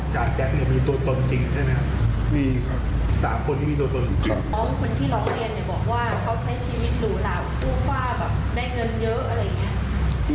ชีวิตหรูหลาฟูฟ่าแบบได้เงินเยอะอะไรอย่างนี้